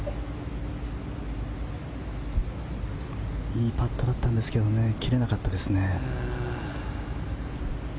いいパットだったんですけど切れなかったですね。